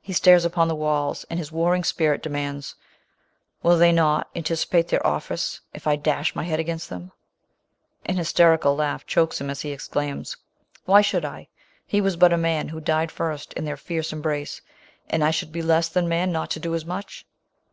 He stares upon the walls, and his war ring spirit demands, " Will they not anticipate their office if I dash my head against them ?" An hysterical laugh chokes him as he exclaims, " Why should I ? He was but a man who died first iu their fierce embrace ; and I should be less than man not to do as much